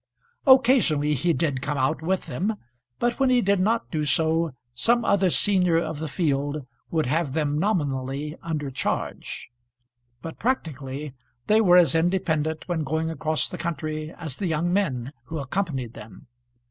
Occasionally he did come out with them, but when he did not do so some other senior of the field would have them nominally under charge; but practically they were as independent when going across the country as the young men who accompanied them.